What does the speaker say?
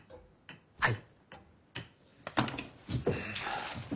はい。